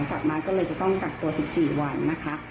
กลับมาก็เลยจะต้องกักตัว๑๔วันนะคะ